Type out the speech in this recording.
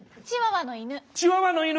チワワの犬。